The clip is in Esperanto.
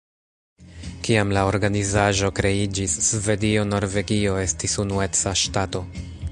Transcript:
Kiam la organizaĵo kreiĝis, Svedio-Norvegio estis unueca ŝtato.